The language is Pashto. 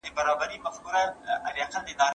آیا د استاد پسرلي په اړه نورې څېړنې هم روانې دي؟